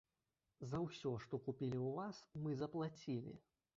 За ўсё, што купілі ў вас, мы заплацілі.